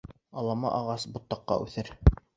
Алама ағас ботаҡҡа үҫер.